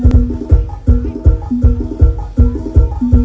เวลาที่สุดท้าย